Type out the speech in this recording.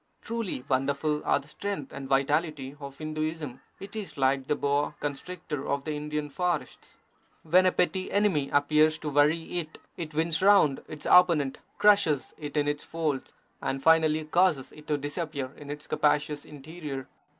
Truly wonderful are the strength and vitality of Hinduism. It is like the boa constrictor of the Indian forests. When a petty enemy appears to worry it, it winds round its opponent, crushes it in its folds, and finally causes it to disappear in its capacious interior.